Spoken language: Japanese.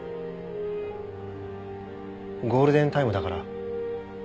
ゴールデンタイムだから。